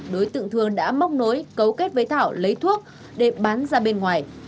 đối tượng thường đã móc nối cấu kết với thảo lấy thuốc để bán ra bên ngoài